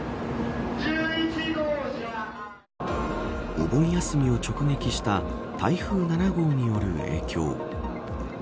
お盆休みを直撃した台風７号による影響。